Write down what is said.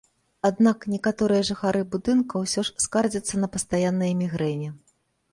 Аднак некаторыя жыхары будынка ўсё ж скардзяцца на пастаянныя мігрэні.